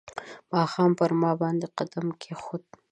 ماښام پر ما باندې قدمونه کښېښول